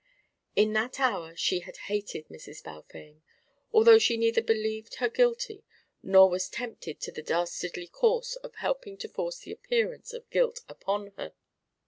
In that hour she had hated Mrs. Balfame, although she neither believed her guilty nor was tempted to the dastardly course of helping to force the appearance of guilt upon her.